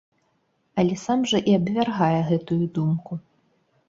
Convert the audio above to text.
Але сам жа і абвяргае гэтую думку.